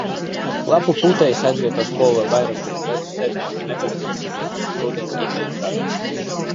Lapu pūtējs aizvieto skolā vairāku vecu sētnieku nepateicīgo rudens ikdienas darbu.